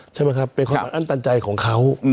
ใช่ไหมครับเป็นความอัดอั้นตันใจของเขา